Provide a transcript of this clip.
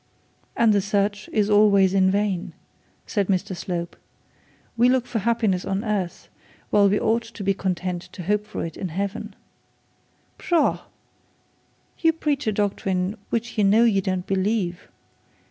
'And the search is always in vain,' said Mr Slope. 'We look for happiness on earth, while we ought to be content to hope for it in heaven.' 'Pshaw! you preach a doctrine which you know you don't believe.